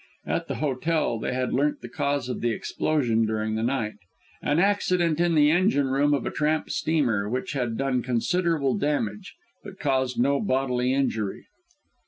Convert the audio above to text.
At the hotel they had learnt the cause of the explosion during the night; an accident in the engine room of a tramp steamer, which had done considerable damage, but caused no bodily injury.